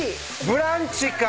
ブランチか！